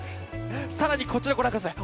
更にこちら、ご覧ください。